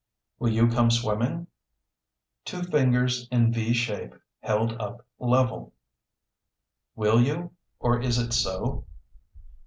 Will you come swimming? (Two fingers in V shape held up level). Will you? or Is it so?